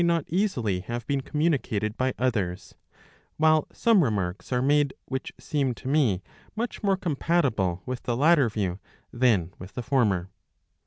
which might not easily have been communicated by others, while some remarks are made which seem to me much more compatible with the latter view than with the former.